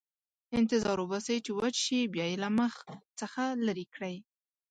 انتظار وباسئ چې وچ شي، بیا یې له مخ څخه لرې کړئ.